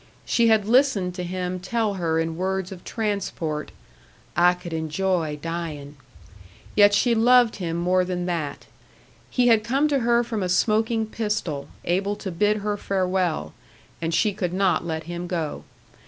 She had listened to him tell her in words of transport, "I could enjoy dying"; yet she loved him more than that. He had come to her from a smoking pistol, able to bid her farewell and she could not let him go.